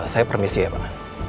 saya permisi ya pak